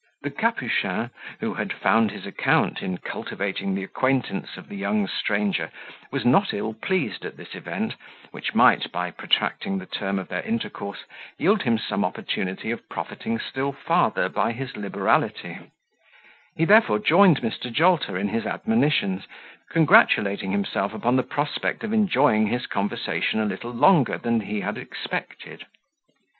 The Capuchin, who had found his account in cultivating the acquaintance of the young stranger, was not ill pleased at this event, which might, by protracting the term of their intercourse, yield him some opportunity of profiting still farther by his liberality: he therefore joined Mr. Jolter in his admonitions, congratulating himself upon the prospect of enjoying his conversation a little longer than he had expected.